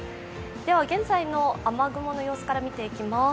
では現在の雨雲の様子から見ていきます。